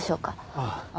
ああ。